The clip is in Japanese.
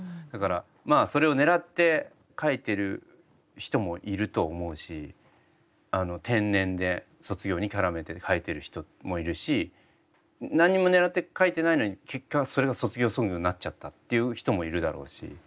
だからそれを狙って書いてる人もいると思うし天然で卒業に絡めて書いてる人もいるし何にも狙って書いてないのに結果それが卒業ソングになっちゃったっていう人もいるだろうし。